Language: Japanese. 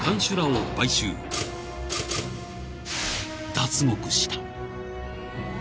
［脱獄した］